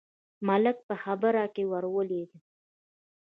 ملک په خبره کې ور ولوېد: